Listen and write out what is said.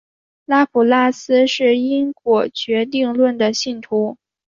拉普拉斯是因果决定论的信徒。